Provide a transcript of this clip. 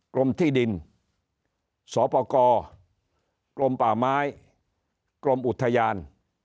กรมที่ดินสปกรมป่าไม้กรมอุทยาน